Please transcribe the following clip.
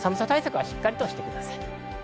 対策はしっかりとしてください。